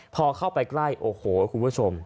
พอเข้าไปใกล้โอ้โหคุณผู้ชม